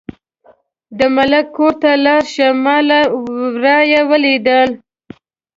د ملک کور ته لاړه شه، ما له ورايه ولیدل.